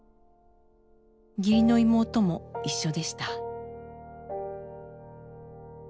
義理の妹も一緒でした。